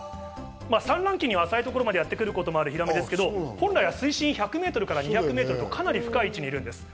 産卵期には浅いところまでやってくることもあるヒラメですが、本来は水深１００ｍから２００ｍと、かなり深い位置にいるんです。